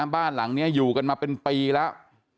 บ้านหลังนี้อยู่กันมาเป็นปีแล้ว